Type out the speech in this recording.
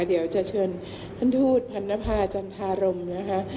เดี๋ยวจะเชิญท่านทูตพันนภาจันทารมนะคะ